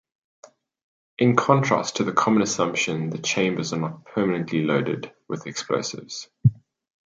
In contrast to the common assumption the chambers are not permanently loaded with explosives.